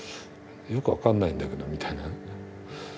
よく分かんないんだけどみたいな。